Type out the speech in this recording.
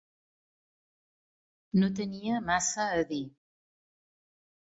No tenia massa a dir.